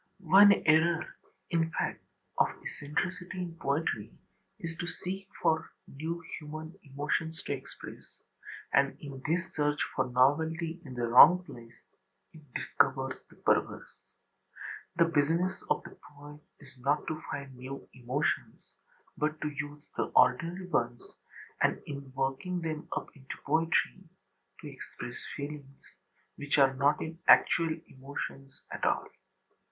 One error, in fact, of eccentricity in poetry is to seek for new human emotions to express: and in this search for novelty in the wrong place it discovers the perverse. The business of the poet is not to find new emotions, but to use the ordinary ones and, in working them up into poetry, to express feelings which are not in actual emotions at all.